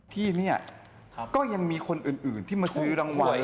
ที่นี่ก็ยังมีคนอื่นที่มาซื้อรางวัล